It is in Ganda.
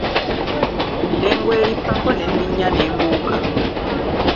Ne ngwerippako ne nninnya ne mbuuka.